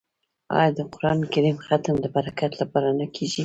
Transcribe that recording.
آیا د قران کریم ختم د برکت لپاره نه کیږي؟